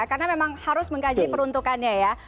karena memang harus mengkaji peruntukannya ya